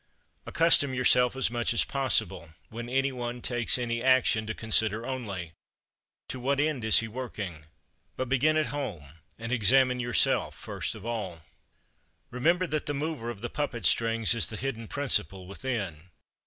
37. Accustom yourself as much as possible, when any one takes any action, to consider only: To what end is he working? But begin at home; and examine yourself first of all. 38. Remember that the mover of the puppet strings is the hidden principle within.